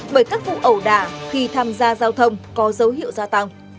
bởi các vụ ẩu đả khi tham gia giao thông có dấu hiệu gia tăng